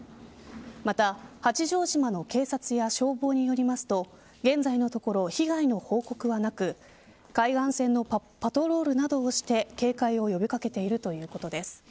また八丈島の警察や消防によりますと現在のところ被害の報告はなく海岸線のパトロールなどをして警戒を呼び掛けているということです。